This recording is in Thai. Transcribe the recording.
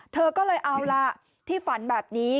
เธอก็เลยเอาล่ะที่ฝันแบบนี้